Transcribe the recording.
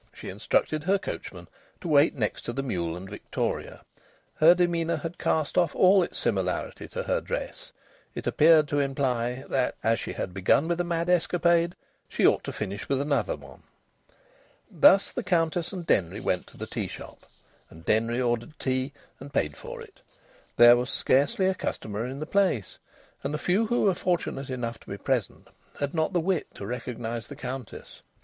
She instructed her coachman to wait next to the mule and victoria. Her demeanour had cast off all its similarity to her dress: it appeared to imply that, as she had begun with a mad escapade, she ought to finish with another one. Thus the Countess and Denry went to the tea shop, and Denry ordered tea and paid for it. There was scarcely a customer in the place, and the few who were fortunate enough to be present had not the wit to recognise the Countess.